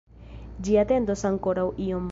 Ĝi atendos ankoraŭ iom.